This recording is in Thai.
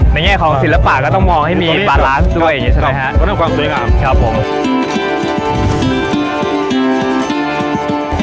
ในแง่ของศิลปะก็ต้องมองให้มีปลาล้านด้วยใช่ไหมครับครับเพราะนั่นความสวยงามครับผม